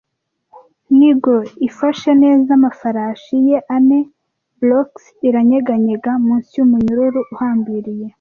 Negro ifashe neza amafarashi ye ane, bloks iranyeganyega munsi yumunyururu uhambiriye,